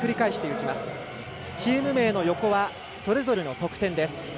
画面上のチーム名の横はそれぞれの得点です。